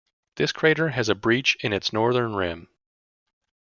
This crater has a breach in its northern rim.